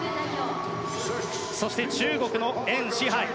そして中国のエン・シハイ。